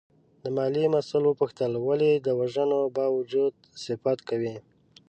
د مالیې مسوول وپوښتل ولې د وژنو باوجود صفت کوې؟